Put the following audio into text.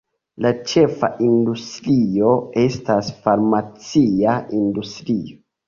La ĉefa industrio estas farmacia industrio.